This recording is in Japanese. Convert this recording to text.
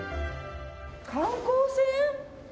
観光船？